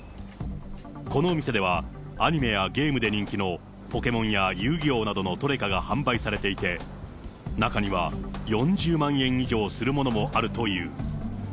このお店ではアニメやゲームで人気のポケモンや遊戯王などのトレカが販売されていて、中には４０万円以上するものもあるという。